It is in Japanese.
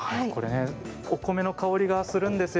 お米の香りがするんですよ。